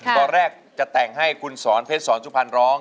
ตอนแรกจะแต่งให้คุณสอนเพชรสอนสุพรรณร้อง